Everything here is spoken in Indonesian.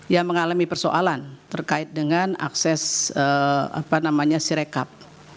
yang mengalami persoalan terkait dengan akses sirekap